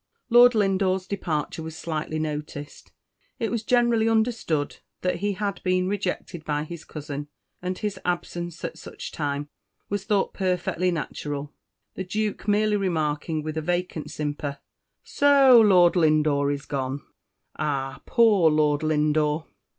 Lord Lindore's departure was slightly noticed. It was generally understood that he had been rejected by his cousin; and his absence at such a time was thought perfectly natural; the Duke merely remarking, with a vacant simper, "So Lord Lindore is gone Ah! poor Lord Lindore."